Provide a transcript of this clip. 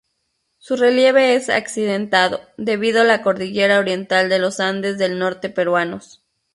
Su relieve es accidentado debido la cordillera oriental de los andes del norte peruanos.